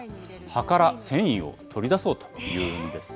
葉から繊維を取り出そうというんです。